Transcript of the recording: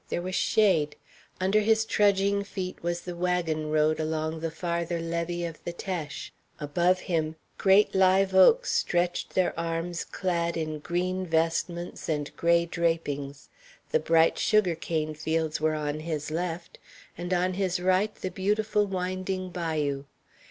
There was shade. Under his trudging feet was the wagon road along the farther levee of the Teche. Above him great live oaks stretched their arms clad in green vestments and gray drapings, the bright sugar cane fields were on his left, and on his right the beautiful winding bayou.